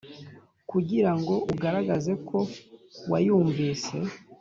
kugira ngo ugaragaze ko wayumvise